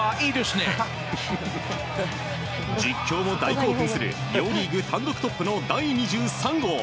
実況も大興奮する両リーグ単独トップの第２３号。